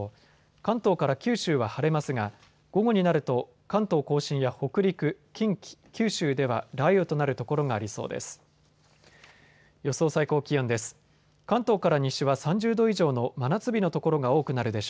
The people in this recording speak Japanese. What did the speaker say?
関東から九州は晴れますが午後になると関東甲信や北陸、近畿、九州では雷雨となる所がありそうです。